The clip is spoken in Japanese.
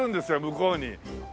向こうに。